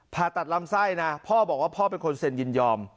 ผ่าตัดลำไส้นะพ่อบอกว่าพ่อเป็นคนเซ็นยินยอม